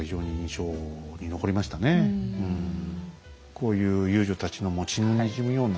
こういう遊女たちのもう血のにじむような。